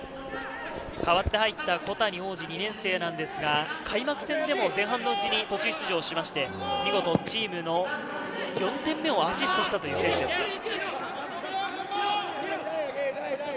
代わって入った小谷旺嗣、２年生ですが開幕戦でも前半のうちに途中出場しまして、見事チームの４点目をアシストしたという選手です。